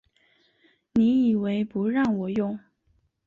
你以为不让我用